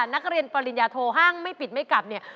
นักเรียนปริญญาโทห้างไม่ปิดไม่กลับเนี่ย